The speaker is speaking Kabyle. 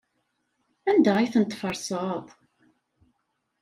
Anda ay ten-tferseḍ?